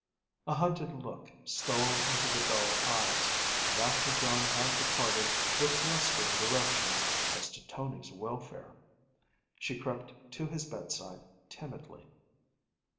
A hunted look stole into the dull eyes, and after John had departed with blustering directions as to Tony's welfare, she crept to his bedside timidly.